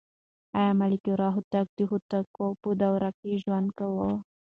آیا ملکیار هوتک د هوتکو په دوره کې ژوند کاوه؟